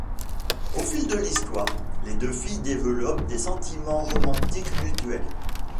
Au fil de l'histoire, les deux filles développent des sentiments romantiques mutuels.